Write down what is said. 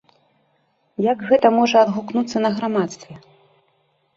Як гэта можа адгукнуцца на грамадстве?